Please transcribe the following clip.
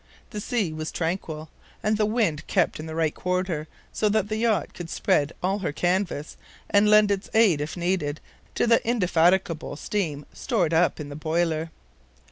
The sea was tranquil, and the wind kept in the right quarter, so that the yacht could spread all her canvas, and lend its aid, if needed to the indefatigable steam stored up in the boiler.